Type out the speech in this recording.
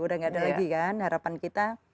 udah gak ada lagi kan harapan kita